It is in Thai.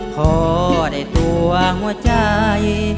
พอได้ตัวหัวใจ